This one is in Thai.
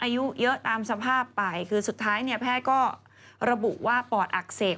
เยอะตามสภาพไปคือสุดท้ายแพทย์ก็ระบุว่าปอดอักเสก